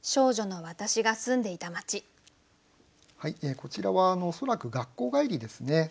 こちらは恐らく学校帰りですね。